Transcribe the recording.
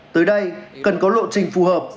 tới đây cần có lộ trình phù hợp